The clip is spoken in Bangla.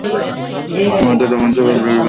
সময়টা তখন ছিল ফেব্রুয়ারি, বর্ষাকাল।